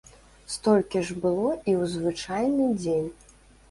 Столькі ж было і ў звычайны дзень.